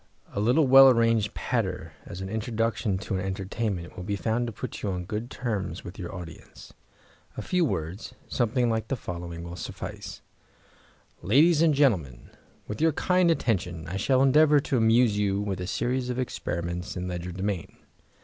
A little well arranged patter as an introductory to an entertainment will be found to put you on good terms with your audience. A few words, something like the following, will suffice: "Ladies and Gentlemen, with your kind attention I shall endeavour to amuse you with a series of experiments in legerdemain.